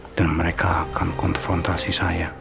dan mereka akan konfrontasi saya